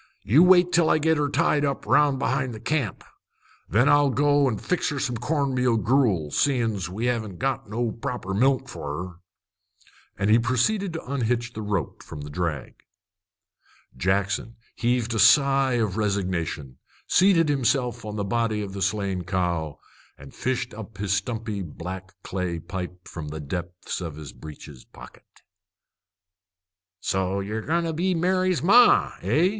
You wait till I git her tied up 'round behind the camp. Then I'll go an' fix her some corn meal gruel, seein's we haven't got no proper milk for her." And he proceeded to unhitch the rope from the drag. Jackson heaved a sigh of resignation, seated himself on the body of the slain cow, and fished up his stumpy black clay pipe from the depths of his breeches pocket. "So ye're goin' to be Mary's ma, eh?"